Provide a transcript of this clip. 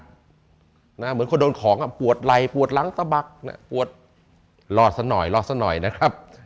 เหมือนคนโดนของปวดไหลปวดหลังสะบักปวดรอดสักหน่อยนะครับ